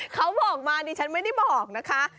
เขาบอกมาดิฉันไม่ได้บอกนะคะ